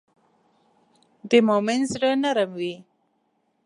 د مؤمن زړه نرم وي.